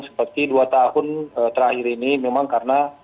seperti dua tahun terakhir ini memang karena